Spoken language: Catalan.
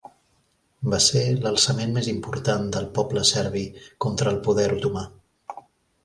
Va ser l'alçament més important del poble serbi contra el poder otomà.